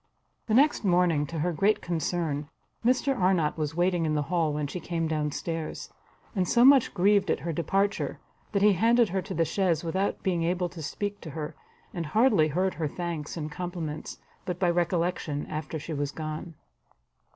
The next morning, to her great concern, Mr Arnott was waiting in the hall when she came down stairs, and so much grieved at her departure, that he handed her to the chaise without being able to speak to her, and hardly heard her thanks and compliments but by recollection after she was gone.